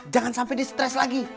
jangan sampai distres lagi